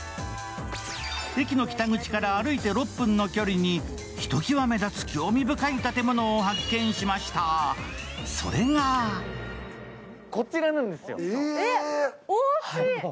駅の北口から歩いて６分の距離にひときわ目立つ興味深い建物を発見しました、それがこちらなんですよ。